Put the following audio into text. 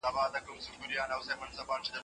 دوی د مسلکي زده کړو په اهميت ټينګار کاوه.